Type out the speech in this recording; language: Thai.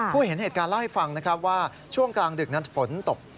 เห็นเหตุการณ์เล่าให้ฟังนะครับว่าช่วงกลางดึกนั้นฝนตก